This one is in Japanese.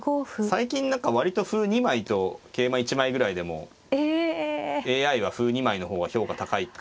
最近何か割と歩２枚と桂馬１枚ぐらいでもＡＩは歩２枚の方が評価高かったりするんで。